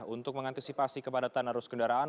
untuk mengantisipasi kepadatan arus kendaraan